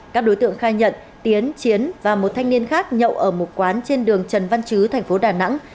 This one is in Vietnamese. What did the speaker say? các đối tượng khai nhận tiến chiến và một thanh niên khác nhậu ở một quán trên đường trần văn chứ thành phố đà nẵng